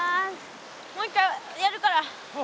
もう一回やるから。